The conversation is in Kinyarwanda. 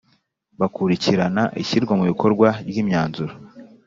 Bukurikirana ishyirwa mu bikorwa ry imyanzuro